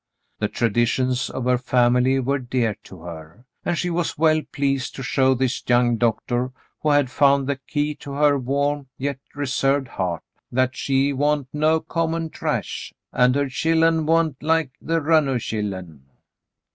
The traditions of her family were dear to her, and she was well pleased to show this young doctor who had found the key to her warm, yet reserved, heart that she "wa'n't no common trash," and her " chillen wa'n't like the runo' chillen."